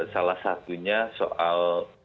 salah satunya soal